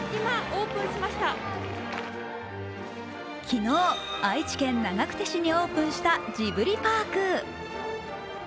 昨日、愛知県長久手市にオープンしたジブリパーク。